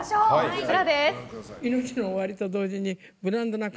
こちらです。